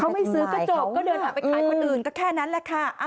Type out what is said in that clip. เขาไม่ซื้อก็จบก็เดินออกไปขายคนอื่นก็แค่นั้นแหละค่ะ